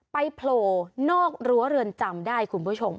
โผล่นอกรั้วเรือนจำได้คุณผู้ชม